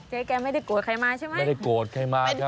เจ๊แกไม่ได้โกรธใครมาใช่ไหม